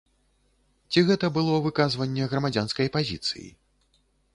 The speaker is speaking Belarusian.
Ці гэта было выказванне грамадзянскай пазіцыі?